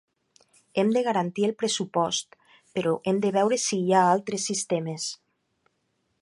Hem de garantir el pressupost però hem de veure si hi ha altres sistemes.